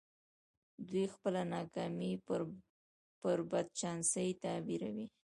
دوی خپله ناکامي پر بد چانسۍ تعبيروي.